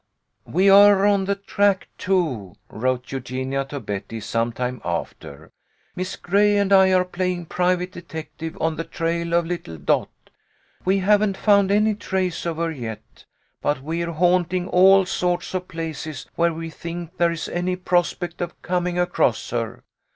"We are on the track, too," wrote Eugenia to Betty, some time after. "Miss Gray and I are EUGENIA JOINS THE SEARCH. 11$ playing private detective on the trail of little Dot. We haven't found any trace of her yet, but we're haunting all sorts of places where we think there is any prospect of coming across her.